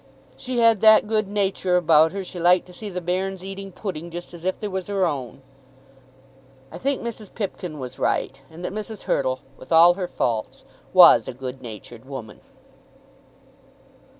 She had that good nature about her she liked to see the bairns eating pudding just as if they was her own." I think Mrs. Pipkin was right, and that Mrs. Hurtle, with all her faults, was a good natured woman.